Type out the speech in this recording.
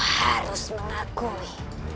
kau harus mengakui